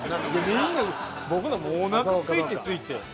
みんな僕なんかおなかすいてすいて。